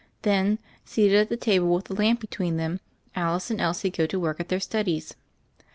Then, seated at the table with the lamp between them, Alice and Elsie go to work at their studies.